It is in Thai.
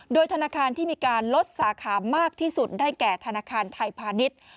โดยธนาคารที่มีการลดสาขามากที่สุดได้แก่ธนาคารไทยพาณิชย์